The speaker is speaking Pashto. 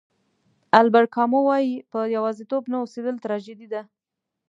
البر کامو وایي په یوازېتوب نه اوسېدل تراژیدي ده.